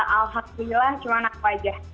alhamdulillah cuma aku aja